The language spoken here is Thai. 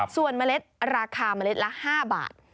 ส่วนเมล็ดราคาเมล็ดละ๕บาท